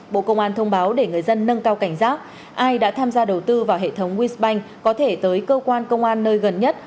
bộ công an thông báo để người dân nâng cao cảnh giác ai đã tham gia đầu tư vào hệ thống wins banh có thể tới cơ quan công an nơi gần nhất